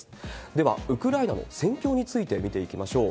ではウクライナの戦況について見ていきましょう。